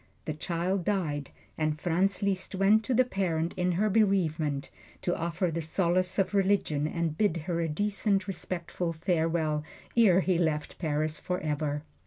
The child died, and Franz Liszt went to the parent in her bereavement, to offer the solace of religion and bid her a decent, respectful farewell, ere he left Paris forever.